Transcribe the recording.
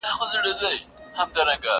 لاس دي مات د دې ملیار سي له باغوانه یمه ستړی،